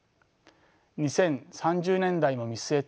２０３０年代も見据えた